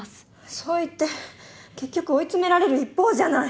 そう言って結局追い詰められる一方じゃない！